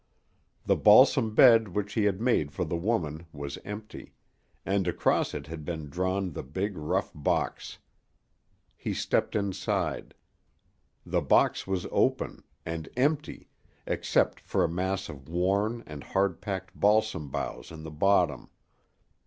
The balsam bed which he had made for the woman was empty, and across it had been drawn the big rough box. He stepped inside. The box was open and empty, except for a mass of worn and hard packed balsam boughs in the bottom.